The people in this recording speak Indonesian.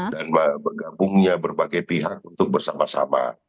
dan bergabungnya berbagai pihak untuk bersama sama